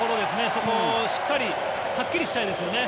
そこをしっかりはっきりしたいですよね。